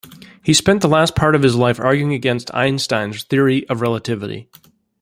He spent the last part of his life arguing against Einstein's Theory of Relativity.